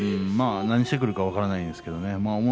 何してくるかは分からないですけれどもね